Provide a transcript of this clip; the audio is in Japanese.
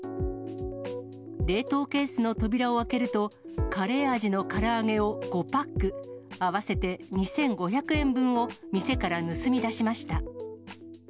冷凍ケースの扉を開けると、カレー味のから揚げを５パック、合わせて２５００円分を店から盗み出しました。